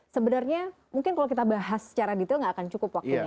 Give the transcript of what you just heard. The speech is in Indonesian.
sebenarnya mungkin kalau kita bahas secara detail nggak akan cukup waktunya